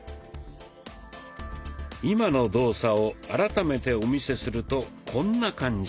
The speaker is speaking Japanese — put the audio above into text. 今の動作を改めてお見せするとこんな感じ。